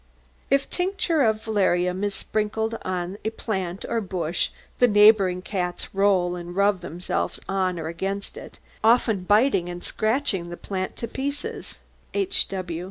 If tincture of valerian is sprinkled on a plant or bush the neighbouring cats roll and rub themselves on or against it, often biting and scratching the plant to pieces. H.